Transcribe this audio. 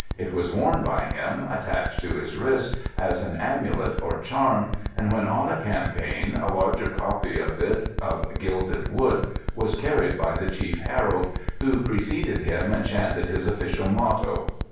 It was worn by him, attached to his wrist, as an amulet or charm, and when on a campaign a larger copy of it, of gilded wood, was carried by the chief herald, who preceded him and chanted his official motto.